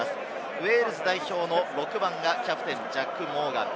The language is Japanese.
ウェールズ代表の６番がキャプテン、ジャック・モーガン。